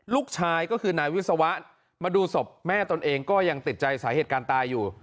ลูกชายก็คือนายวิศวะมาดูศพแม่ตนเองก็ยังติดใจสาเหตุการณ์ตายอยู่